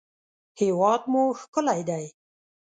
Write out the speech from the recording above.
هېواد مو ښکلی دی